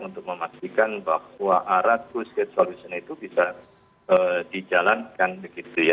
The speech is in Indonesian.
untuk memastikan bahwa arah push gate solution itu bisa dijalankan begitu ya